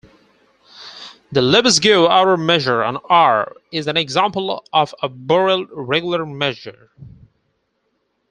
The Lebesgue outer measure on R is an example of a Borel regular measure.